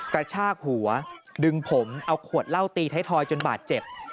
กระชากหัวดึงผมเอาขวดเหล้าตีไทยทอยจนบาดเจ็บ